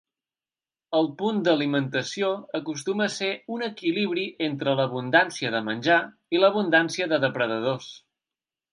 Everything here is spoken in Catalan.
El punt d'alimentació acostuma a ser un equilibri entre l'abundància de menjar i l'abundància de depredadors.